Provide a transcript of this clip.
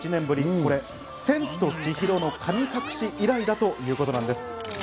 これ、『千と千尋の神隠し』以来だということなんです。